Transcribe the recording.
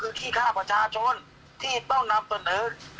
แม่ยังคงมั่นใจและก็มีความหวังในการทำงานของเจ้าหน้าที่ตำรวจค่ะ